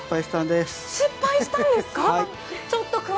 失敗したんです。